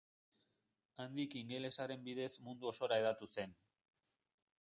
Handik ingelesaren bidez mundu osora hedatu zen.